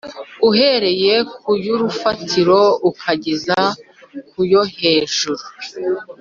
uhereye ku y’urufatiro ukageza ku yo hejuru